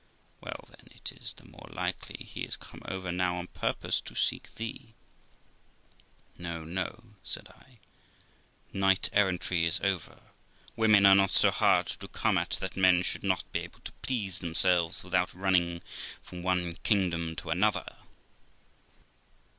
'Well, then, it is the more likely he is come over now on purpose to seek thee.' 'No, no* said I; 'knight errantry is over; women are not so hard to come at that men should not be able to please themselves without running from one kingdom to another.'